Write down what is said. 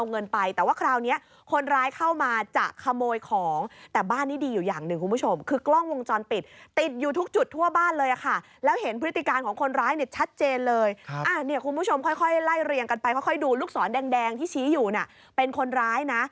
เงาอะไรสะพุ่มนะ